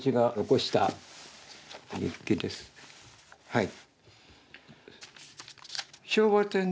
はい。